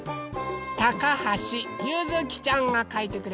たかはしゆづきちゃんがかいてくれました。